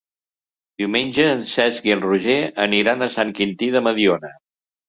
Diumenge en Cesc i en Roger aniran a Sant Quintí de Mediona.